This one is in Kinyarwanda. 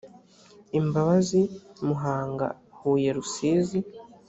imbabazi muhanga huye rusizi